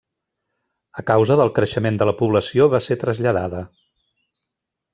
A causa del creixement de la població va ser traslladada.